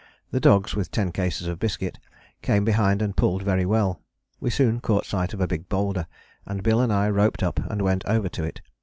The dogs, with ten cases of biscuit, came behind and pulled very well. We soon caught sight of a big boulder, and Bill and I roped up and went over to it.